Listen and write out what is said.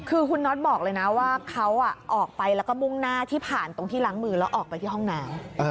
คือคุณน็อตบอกเลยนะว่าเขาออกไปแล้วก็มุ่งหน้าที่ผ่านตรงที่ล้างมือแล้วออกไปที่ห้องน้ำ